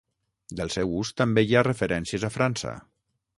Del seu ús també hi ha referències a França.